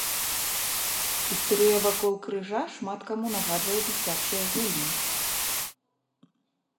Істэрыя вакол крыжа шмат каму нагадвае дзіцячыя гульні.